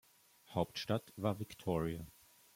Hauptstadt war Victoria.